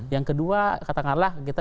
yang kedua katakanlah kita